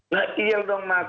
nah iya dong mas